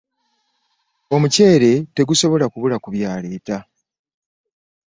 Omuceere tegusobola kubula ku by'aleeta.